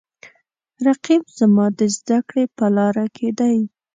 رقیب زما د زده کړې په لاره کې دی